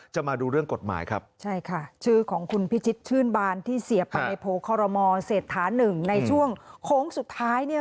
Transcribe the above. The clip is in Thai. ชื่นบานที่เสียบไปในโพคลมอเศษฐาน๑ในช่วงโค้งสุดท้าย